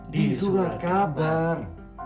di surat kabar